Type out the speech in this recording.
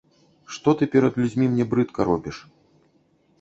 Што ты перад людзьмі мне брыдка робіш?